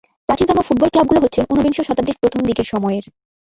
প্রাচীনতম ফুটবল ক্লাবগুলো হচ্ছে ঊনবিংশ শতাব্দীর প্রথম দিকের সময়ের।